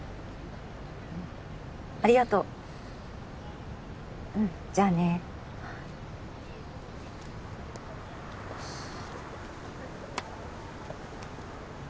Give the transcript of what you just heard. うんありがとううんじゃあねはあ